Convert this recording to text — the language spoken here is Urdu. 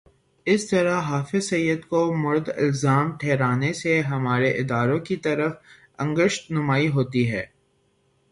اس طرح حافظ سعید کو مورد الزام ٹھہرانے سے ہمارے اداروں کی طرف انگشت نمائی ہوتی ہے۔